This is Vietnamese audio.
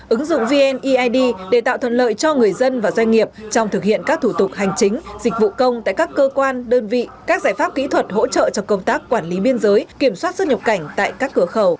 ứng dụng vneid để tạo thuận lợi cho người dân và doanh nghiệp trong thực hiện các thủ tục hành chính dịch vụ công tại các cơ quan đơn vị các giải pháp kỹ thuật hỗ trợ cho công tác quản lý biên giới kiểm soát xuất nhập cảnh tại các cửa khẩu